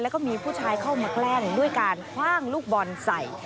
แล้วก็มีผู้ชายเข้ามาแกล้งด้วยการคว่างลูกบอลใส่